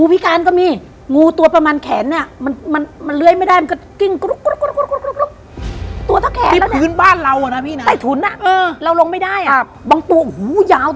บางตัวโหยาวตั้งแต่นี้๓๔เมตรเนี่ย